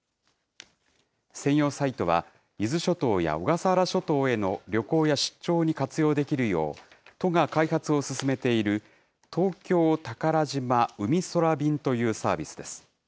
専用サイトは、伊豆諸島や小笠原諸島への旅行や出張に活用できるよう、都が開発を進めている東京宝島うみそら便というサービスです。